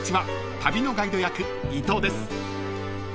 旅のガイド役伊藤です］